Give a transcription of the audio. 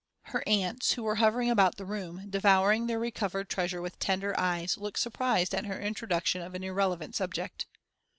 Her aunts, who were hovering about the room, devouring their recovered treasure with tender eyes, looked surprised at her introduction of an irrelevant subject.